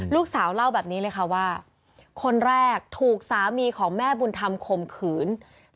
ลูกสาวเล่าแบบนี้เลยค่ะว่าคนแรกถูกสามีของแม่บุญธรรมข่มขืน